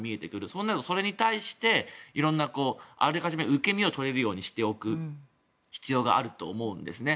そうなるとそれに対して色んなあらかじめ受け身を取れるようにしておく必要があると思うんですね。